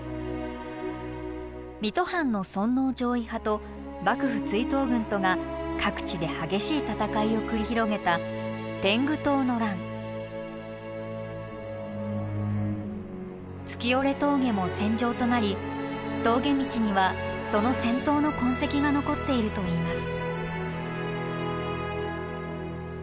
水戸藩の尊王攘夷派と幕府追討軍とが各地で激しい戦いを繰り広げた月居峠も戦場となり峠道にはその戦闘の痕跡が残っているといいます。